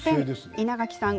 稲垣さん